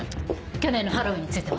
去年のハロウィーンについては？